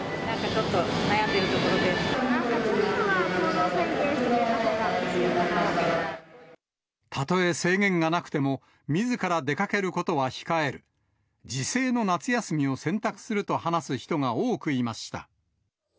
ちょっとは行動制限してくれたとえ制限がなくても、みずから出かけることは控える、自制の夏休みを選択すると話す人が多くいました。